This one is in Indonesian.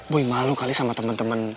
boy malu kali sama temen temen